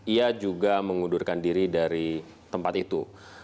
ia juga mengundurkan diri dari tempat itu